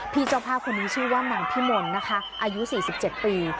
พี่เจ้าพาคุณนี้ชื่อว่าหนังพี่มนต์นะคะอายุ๔๗ปี